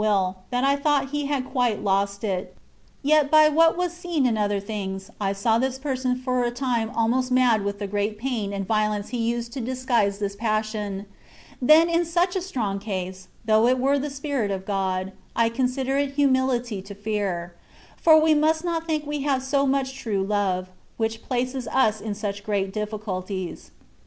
97 will, that I thouglit lie had quite lost it ; yet, by what was seen in other things, I saw this person for a time almost mad with the great pain and violence he used to disguise this passion ; then in such a strong case, though it were the Spirit of God, I consider it humility to fear; for we must not think we have so much true love, which places us in such great difficulties.